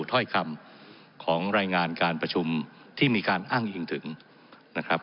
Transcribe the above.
ถ้อยคำของรายงานการประชุมที่มีการอ้างอิงถึงนะครับ